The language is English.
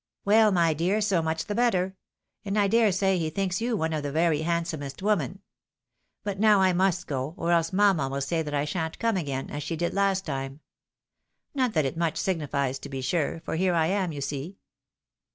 " Well, my dear, so much the better. And I dare say he thinks you one of the very handsomest women. But now I must go, or else mamma will say that I shan't come again, as she did last time. Not that it much signifies to be sure, for here I am, you see."